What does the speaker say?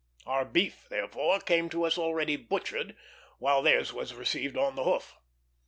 Our beef, therefore, came to us already butchered, while theirs was received on the hoof.